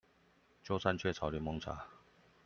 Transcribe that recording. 鳩佔雀巢檸檬茶